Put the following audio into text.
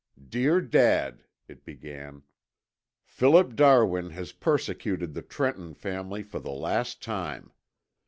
"Dear Dad," it began. "Philip Darwin has persecuted the Trenton family for the last time.